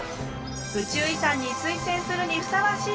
宇宙遺産に推薦するにふさわしいだろうか？